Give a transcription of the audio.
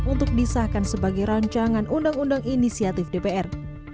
untuk disahkan sebagai rancangan undang undang inisiatif dpr